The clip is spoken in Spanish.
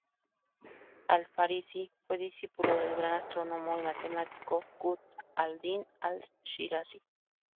Al-Farisi fue discípulo del gran astrónomo y matemático Qutb al-Din al-Shirazi.